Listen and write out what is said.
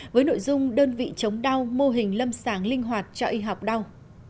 với nội dung đơn vị chống đau mô hình lâm sàng linh hoạt cho y học đau